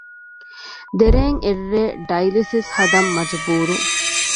ދެރޭން އެއްރޭ ޑައިލިސިސް ހަދަން މަޖުބޫރު